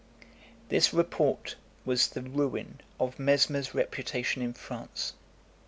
This report was the ruin of Mesmer's reputation in France.